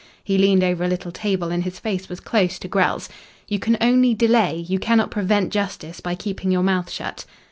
He leaned over a little table and his face was close to Grell's. "You can only delay, you cannot prevent justice by keeping your mouth shut."